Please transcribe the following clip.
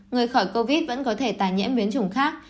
người khỏi covid vẫn có thể tái nhiễm biến trùng khác